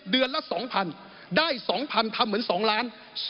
เดือนละ๒๐๐๐ได้๒๐๐๐ทำเหมือน๒ล้าน